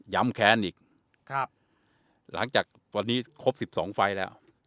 แค้นอีกหลังจากวันนี้ครบ๑๒ไฟล์แล้ว